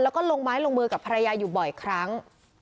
แล้วก็ลงไม้ลงมือกับภรรยาอยู่บ่อยครั้ง